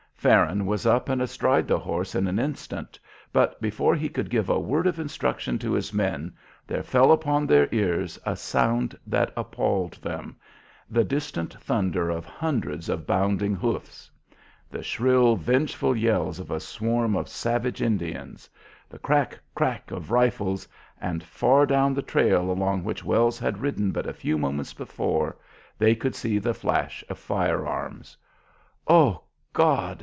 Farron was up and astride the horse in an instant, but before he could give a word of instruction to his men, there fell upon their ears a sound that appalled them, the distant thunder of hundreds of bounding hoofs; the shrill, vengeful yells of a swarm of savage Indians; the crack! crack! of rifles; and, far down the trail along which Wells had ridden but a few moments before, they could see the flash of fire arms. "O God!